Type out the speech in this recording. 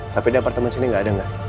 tapi di apartemen sini nggak ada nggak